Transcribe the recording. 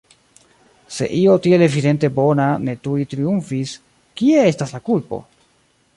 Se io tiel evidente bona ne tuj triumfis, kie estas la kulpo?